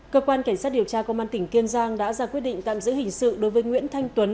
cơ quan cảnh sát điều tra công an tỉnh kiên giang đã ra quyết định tạm giữ hình sự đối với nguyễn thanh tuấn